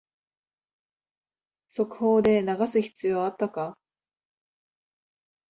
速報で流す必要あったか